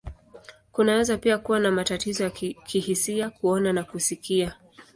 Kunaweza pia kuwa na matatizo ya hisia, kuona, na kusikia.